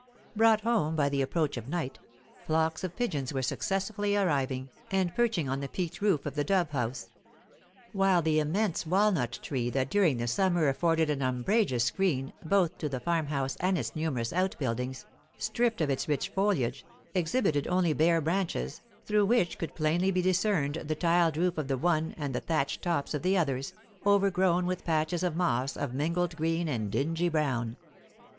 Brought home by the approach of night, flocks of pigeons were successively arriving, and perching on the peaked roof of the dove house; while the immense walnut tree, that during the summer afforded an umbrageous screen both to the farmhouse and its numerous out buildings, stripped of its rich foliage, exhibited only bare branches, through which could plainly be discerned the tiled roof of the one, and the thatched tops of the others, overgrown with patches of moss of mingled green and dingy brown.